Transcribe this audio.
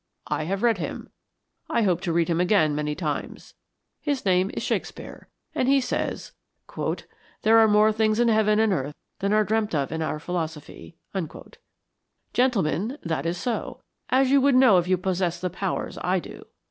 I have read him, I hope to read him again many times. His name is Shakespeare, and he says 'there are more things in Heaven and earth than are dreamt of in our philosophy.' Gentlemen, that is so, as you would know if you possessed the powers that I do.